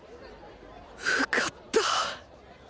受かった！